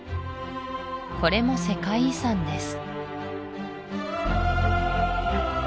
これも世界遺産です